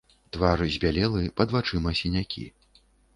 Твар збялелы, пад вачыма сінякі.